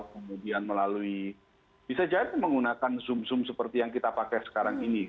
kemudian melalui bisa jadi menggunakan zoom zoom seperti yang kita pakai sekarang ini